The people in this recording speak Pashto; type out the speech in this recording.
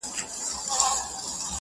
اوس به مي ستا پر کوڅه سمه جنازه تېرېږي.!